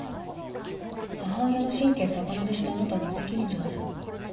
母親の神経逆なでしたあなたは無責任じゃないの？